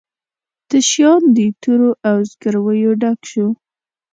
تشیال د تورو او زګیرویو ډک شو